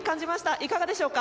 いかがでしょうか。